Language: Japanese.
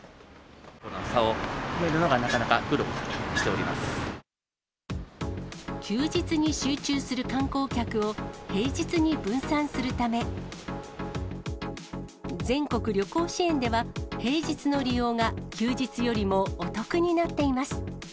差を埋めるのが、なかなか苦休日に集中する観光客を、平日に分散するため、全国旅行支援では、平日の利用が休日よりもお得になっています。